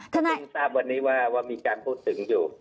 ทนายรู้ว่ามีการพูดถึงอยู่